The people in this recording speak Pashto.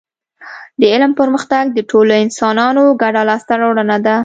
د علم پرمختګ د ټولو انسانانو ګډه لاسته راوړنه ده